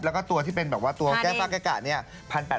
แล้วก็ตัวที่เป็นแบบว่าตัวแก้วฟักแกะเนี่ย๑๘๕๐บาท